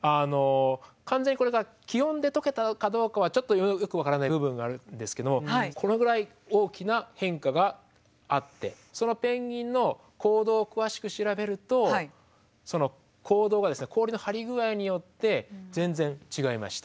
完全にこれが気温でとけたかどうかはちょっとよく分からない部分があるんですけどこのぐらい大きな変化があってそのペンギンの行動を詳しく調べるとその行動がですね氷の張り具合によって全然違いました。